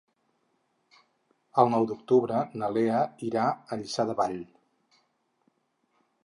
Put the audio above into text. El nou d'octubre na Lea irà a Lliçà de Vall.